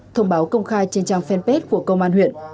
thông báo công khai trên trang fanpage của công an huyện